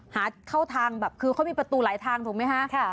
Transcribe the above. เข้าทางแบบคือเขามีประตูหลายทางถูกไหมฮะ